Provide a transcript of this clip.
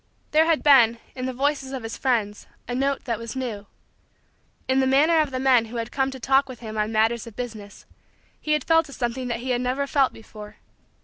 There had been, in the voices of his friends, a note that was new. In the manner of the men who had come to talk with him on matters of business, he had felt a something that he had never felt before.